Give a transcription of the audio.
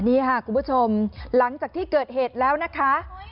นี่ค่ะคุณผู้ชมหลังจากที่เกิดเหตุแล้วนะคะ